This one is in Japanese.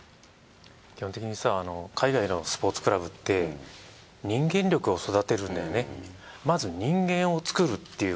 基本的にさ海外のスポーツクラブってまず人間を作るっていう。